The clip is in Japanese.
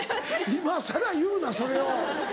今さら言うなそれを！